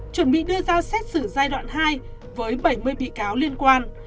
chuẩn bị đưa ra xét xử giai đoạn hai với bảy mươi bị cáo liên quan